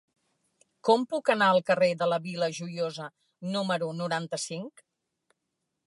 Com puc anar al carrer de la Vila Joiosa número noranta-cinc?